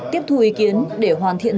tiếp thu ý kiến để hoàn thiện